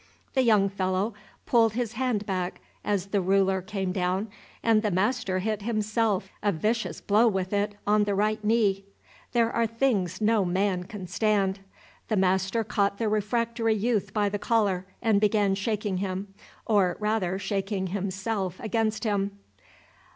The young fellow pulled his hand back as the ruler came down, and the master hit himself a vicious blow with it on the right knee. There are things no man can stand. The master caught the refractory youth by the collar and began shaking him, or rather shaking himself against him.